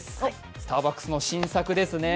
スターバックスの新作ですね。